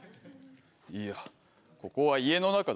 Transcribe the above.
いやここは家の中だぞ。